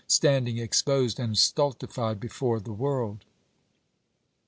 standing exposed and stultified before the world."